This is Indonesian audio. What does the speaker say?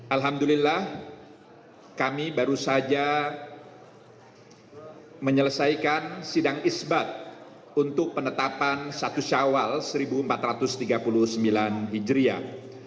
alhamdulillah kami baru saja menyelesaikan sidang isbat untuk penetapan satu syawal seribu empat ratus tiga puluh sembilan hijriah